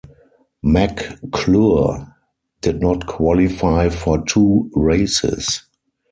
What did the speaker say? McClure did not qualify for two races.